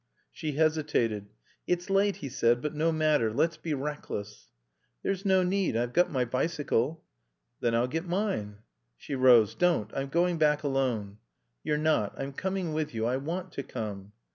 She hesitated. "It's late," he said. "But no matter. Let's be reckless." "There's no need. I've got my bicycle." "Then I'll get mine." She rose. "Don't. I'm going back alone." "You're not. I'm coming with you. I want to come."